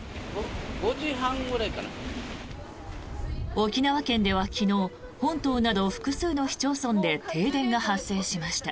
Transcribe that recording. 沖縄県では昨日、本島など複数の市町村で停電が発生しました。